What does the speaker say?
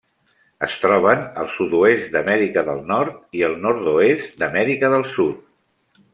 Es troben al sud-oest d'Amèrica del Nord i el nord-oest d'Amèrica del Sud.